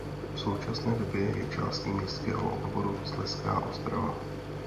V současné době je částí městského obvodu Slezská Ostrava.